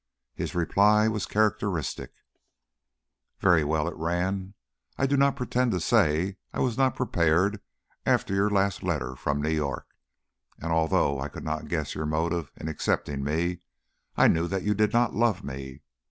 His reply was characteristic. "Very well," it ran. "I do not pretend to say I was not prepared after your last letter from New York. And although I could not guess your motive in accepting me, I knew that you did not love me.